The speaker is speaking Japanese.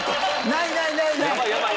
ないないないない！